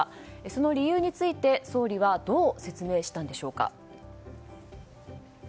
その理由について総理はどう説明したんでしょうか。